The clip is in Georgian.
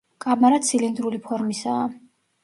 კამარა ცილინდრული ფორმისაა.